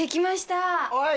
はい！